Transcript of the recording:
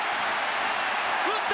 打った！